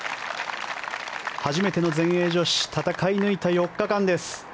初めての全英女子戦い抜いた４日間です。